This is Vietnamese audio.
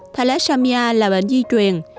thalessamia là bệnh di truyền